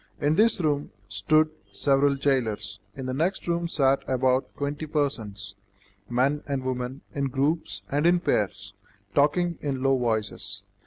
In this room stood several jailers. In the next room sat about twenty persons, men and women in groups and in pairs, talking in low voices.